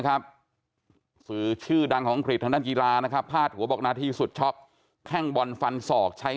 และชื่อชื่อดั่งของอังกฤษฐานทั้งวันกีฬานะครับ